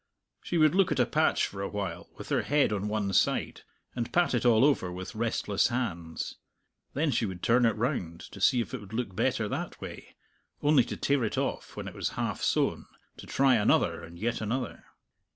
She would look at a patch for a while, with her head on one side, and pat it all over with restless hands; then she would turn it round, to see if it would look better that way, only to tear it off when it was half sewn, to try another and yet another.